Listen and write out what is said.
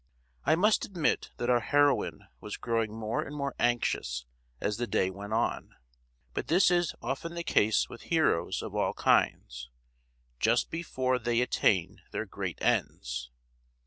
I must admit that our heroine was growing more and more anxious as the day went on; but this is often the case with heroes of all kinds, just before they attain their great ends!